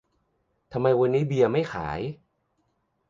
ทำไมวันนี้เบียร์ไม่ขาย